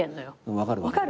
分かる分かる。